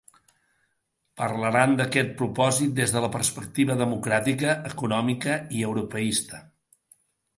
Parlaran d’aquest propòsit des de la perspectiva democràtica, econòmica i europeista.